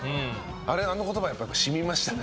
あの言葉やっぱりしみましたね。